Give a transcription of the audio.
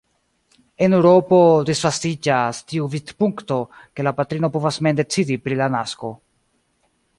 En Eŭropo disvastiĝas tiu vidpunkto, ke la patrino povas mem decidi pri la nasko.